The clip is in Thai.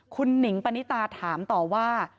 คุณหนิงปณิตาถามต่อว่า